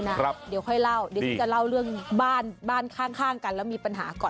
เดี๋ยวค่อยเล่าเดี๋ยวฉันจะเล่าเรื่องบ้านบ้านข้างกันแล้วมีปัญหาก่อน